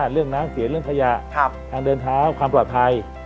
เรื่องน้ำเสียเรื่องขยะทางเดินเท้าความปลอดภัย